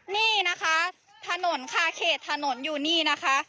นี่นะคะถนนคาเขตถนนอยู่นี่นะคะ